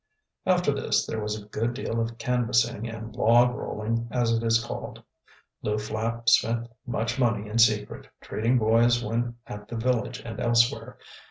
After this there was a good deal of canvassing and "log rolling" as it is called. Lew Flapp spent much money in secret, treating boys when at the village and elsewhere.